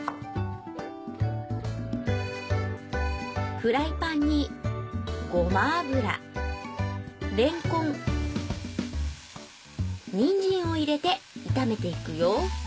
フライパンにごま油れんこんにんじんを入れて炒めていくよ。